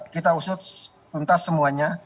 kita usut untas semuanya